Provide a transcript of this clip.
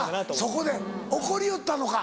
そこで怒りよったのか。